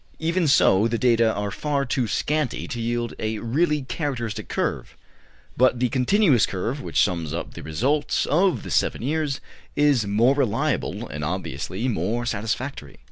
Even so, the data are far too scanty to yield a really characteristic curve; but the continuous curve, which sums up the results of the eleven years, is more reliable, and obviously more satisfactory.